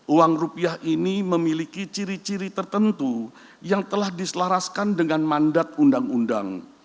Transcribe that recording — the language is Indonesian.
uang rupiah ini memiliki ciri ciri tertentu yang telah diselaraskan dengan mandat undang undang